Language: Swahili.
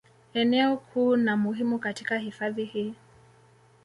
Eneo kuu na muhimu katika hifadhi hii